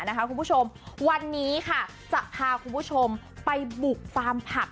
คุณผู้ชมวันนี้ค่ะจะพาคุณผู้ชมไปบุกฟาร์มผัก